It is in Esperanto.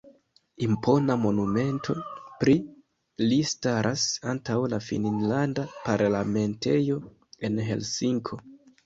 Impona monumento pri li staras antaŭ la finnlanda parlamentejo en Helsinko.